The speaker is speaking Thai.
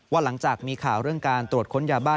หลังจากมีข่าวเรื่องการตรวจค้นยาบ้าน